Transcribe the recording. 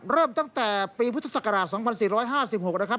เริ่มตั้งแต่ปีพุทธศักราช๒๔๕๖นะครับ